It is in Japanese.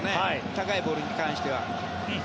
高いボールに関しては。